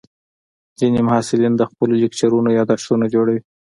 ځینې محصلین د خپلو لیکچرونو یادښتونه جوړوي.